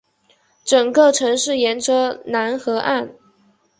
整个城市沿着楠河岸。